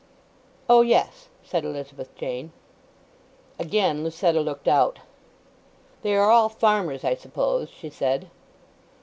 "O yes," said Elizabeth Jane. Again Lucetta looked out. "They are all farmers, I suppose?" she said.